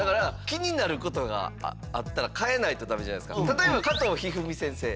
例えば加藤一二三先生